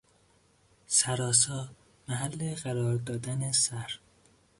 سرآسا، محل قرار دادن سر